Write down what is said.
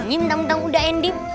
nah nyintam nyintam udah endip